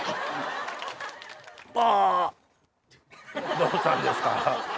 どうしたんですか？